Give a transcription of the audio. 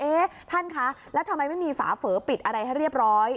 ท่านคะแล้วทำไมไม่มีฝาเฝอปิดอะไรให้เรียบร้อย